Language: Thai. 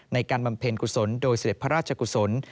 บำเพ็ญกุศลโดยเสด็จพระราชกุศล